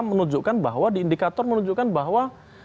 menunjukkan bahwa di indikator menunjukkan bahwa